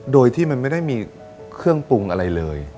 โดยที่มันไม่ได้มีเครื่องปรุงอะไรเลย